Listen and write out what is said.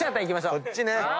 こっちね。